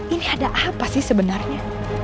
ini ada apa sih sebenarnya